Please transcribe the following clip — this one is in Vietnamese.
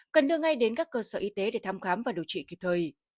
cần đưa ngay đến các cơ sở y tế để thăm khám và điều trị kịp thời